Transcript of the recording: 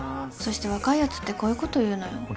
そして若いやつってこういうこと言うのよ。